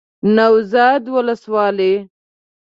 نوزاد ولسوالۍ